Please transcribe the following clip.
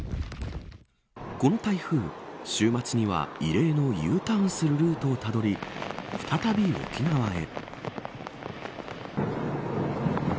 この台風週末には異例のＵターンするルートをたどり再び沖縄へ。